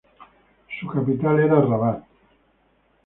Su capital era Rabat.